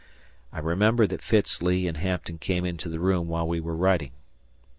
I remember that Fitz Lee and Hampton came into the room while we were writing.